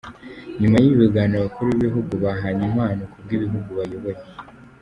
Nyuma y’ibi biganiro abakuru b’ibihugu bahanye impano ku bw’ibihugu bayoboye.